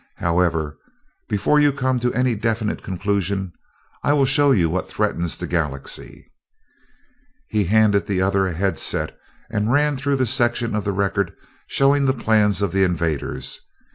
However, before you come to any definite conclusion, I will show you what threatens the Galaxy." He handed the other a headset and ran through the section of the record showing the plans of the invaders.